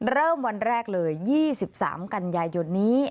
เริ่มวันแรกเลย๒๓กันยายนนี้